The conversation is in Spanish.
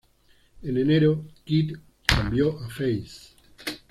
En enero, Kidd cambió a "face".